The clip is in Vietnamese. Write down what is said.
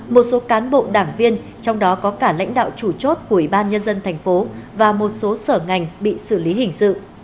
một số cán bộ đảng viên trong đó có cả lãnh đạo chủ chốt của ubnd tp hcm và một số sở ngành bị xử lý hình sự